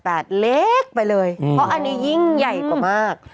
เพราะอันนี้ยิ่งใหญ่กว่ามาก